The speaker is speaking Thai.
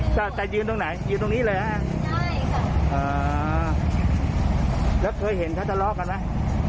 แล้วเคยเห็นทัศน์รอกันมั้ย